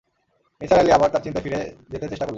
নিসার আলি আবার তাঁর চিন্তায় ফিরে যেতে চেষ্টা করলেন।